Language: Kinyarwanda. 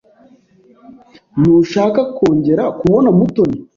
Ntushaka kongera kubona Mutoni?